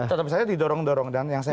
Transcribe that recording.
tetap saja didorong dorong